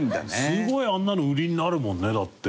すごいあんなの売りになるもんねだって。